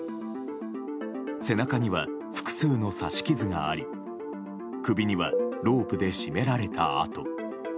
背中には複数の刺し傷があり首にはロープで絞められた痕。